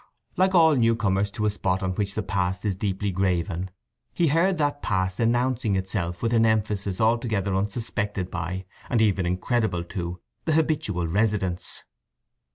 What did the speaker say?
Like all newcomers to a spot on which the past is deeply graven he heard that past announcing itself with an emphasis altogether unsuspected by, and even incredible to, the habitual residents.